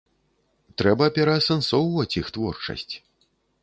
Трэба пераасэнсоўваць іх творчасць.